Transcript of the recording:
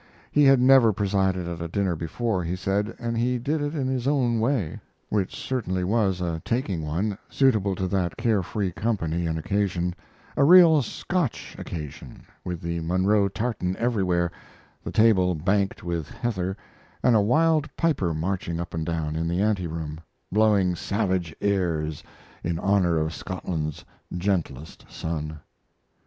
He had never presided at a dinner before, he said, and he did it in his own way, which certainly was a taking one, suitable to that carefree company and occasion a real Scotch occasion, with the Munro tartan everywhere, the table banked with heather, and a wild piper marching up and down in the anteroom, blowing savage airs in honor of Scotland's gentlest son.